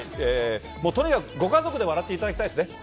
とにかくご家族で笑っていただきたいですね。